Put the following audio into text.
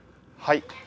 はい。